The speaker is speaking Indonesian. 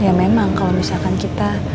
ya memang kalau misalkan kita